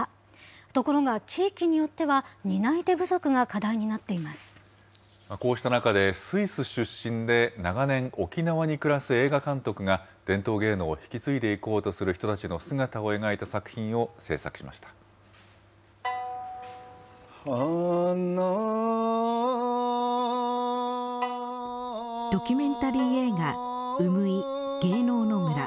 ところが地域によっては、こうした中で、スイス出身で長年、沖縄に暮らす映画監督が、伝統芸能を引き継いでいこうとする人たちの姿を描いた作品を製作ドキュメンタリー映画、ウムイ芸能の村。